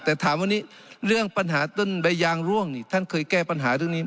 แต่ถามวันนี้เรื่องปัญหาต้นใบยางร่วงนี่ท่านเคยแก้ปัญหาเรื่องนี้